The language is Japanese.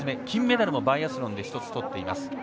金メダルもバイアスロンで１つとっています。